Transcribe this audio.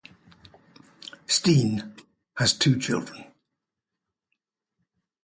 Stene has two children.